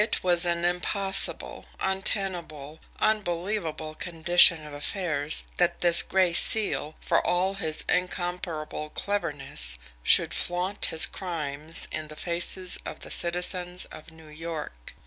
It was an impossible, untenable, unbelievable condition of affairs that this Gray Seal, for all his incomparable cleverness, should flaunt his crimes in the faces of the citizens of New York.